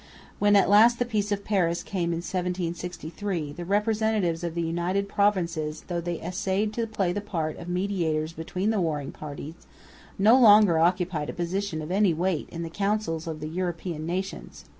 When at last the Peace of Paris came in 1763, the representatives of the United Provinces, though they essayed to play the part of mediators between the warring powers, no longer occupied a position of any weight in the councils of the European nations.